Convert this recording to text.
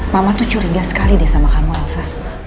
mama tuh curiga sekali deh sama kamu alsa